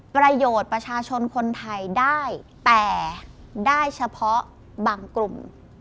ประโยชน์ประชาชนคนไทยได้แต่ได้เฉพาะบางกลุ่ม